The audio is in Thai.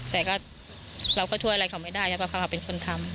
แต่เราก็ช่วยอะไรเขาไม่ได้แล้วก็เขาเป็นคนทำ